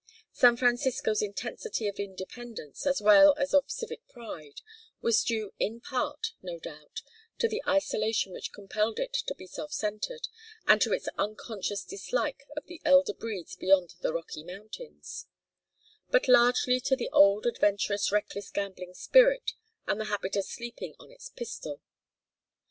San Francisco's intensity of independence as well as of civic pride was due in part no doubt to the isolation which compelled it to be self centred, and to its unconscious dislike of the elder breeds beyond the Rocky Mountains; but largely to the old adventurous reckless gambling spirit and the habit of sleeping on its pistol.